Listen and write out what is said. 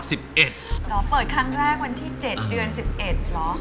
เหรอเปิดครั้งแรกวันที่๗เดือน๑๑เหรอ